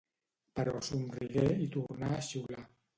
Però somrigué i tornà a xiular.